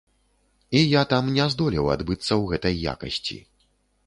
І я там не здолеў адбыцца ў гэтай якасці.